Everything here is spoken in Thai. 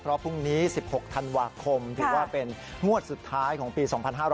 เพราะพรุ่งนี้๑๖ธันวาคมถือว่าเป็นงวดสุดท้ายของปี๒๕๕๙